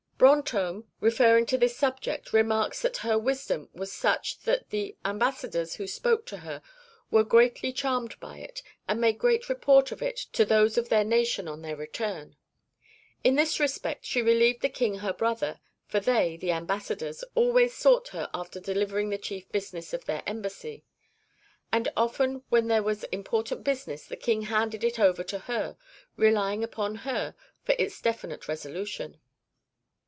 Brantôme, referring to this subject, remarks that her wisdom was such that the ambassadors who "spoke to her were greatly charmed by it, and made great report of it to those of their nation on their return; in this respect she relieved the King her brother, for they (the ambassadors) always sought her after delivering the chief business of their embassy, and often when there was important business the King handed it over to her, relying upon her for its definite resolution.